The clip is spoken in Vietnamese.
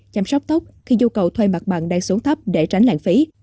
chăm sóc tốc khi dù cầu thuê mặt bằng đang xuống thấp để tránh lạng phí